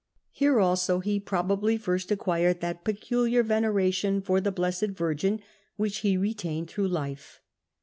* Here also he probably first acquired that peculiar veneration for the Blessed Virgin which he retained through life.